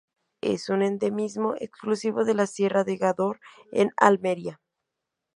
Es un endemismo exclusivo de la Sierra de Gádor en Almería.